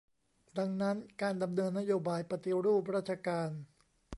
ดังนั้น การดำเนินนโยบายปฏิรูปราชการ